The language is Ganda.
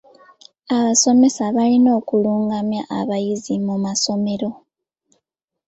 Abasomesa balina okulungamya abayizi mu masomero.